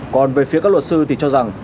còn về phía các luật sư thì cho rằng